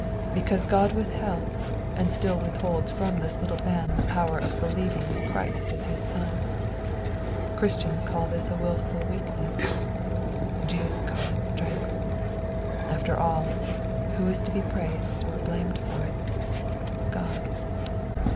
Because God withheld and still withholds from this little band the power of believing in Christ as his son. Christians call this a wilful weakness; Jews call it strength. After all, who is to be praised or blamed for it? God.